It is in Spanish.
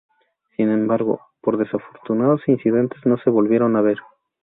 Sin embargo, por desafortunados incidentes no se volvieron a ver.